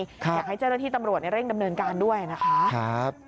อยากให้เจ้าหน้าที่ตำรวจเร่งดำเนินการด้วยนะคะ